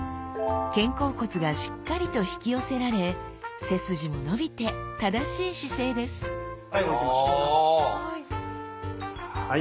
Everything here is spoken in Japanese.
肩甲骨がしっかりと引き寄せられ背筋も伸びて正しい姿勢ですはい。